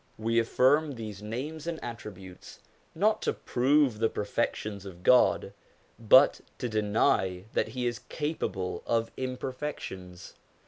We affirm these names and attributes, not to prove the perfections of God, but to deny that He is capable of imperfections.